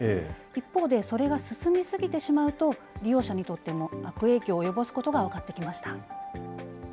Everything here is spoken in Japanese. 一方で、それが進み過ぎてしまうと、利用者にとっても悪影響を及ぼすことが分かってきました。